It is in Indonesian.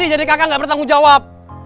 lo sih jadi kakak gak bertanggung jawab